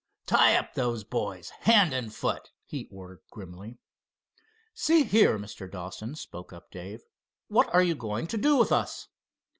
"Tie up those boys hand and foot," he ordered grimly. "See here, Mr. Dawson," spoke up Dave, "what are you going to do with us?"